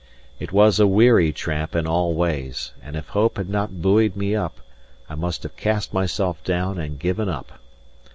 It was a weary tramp in all ways, and if hope had not buoyed me up, I must have cast myself down and given up.